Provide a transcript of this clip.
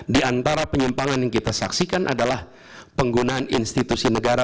di antara penyimpangan yang kita saksikan adalah penggunaan institusi negara